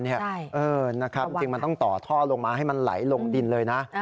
จริงมันต้องต่อท่อลงมาให้มันไหลลงดินเลยนะ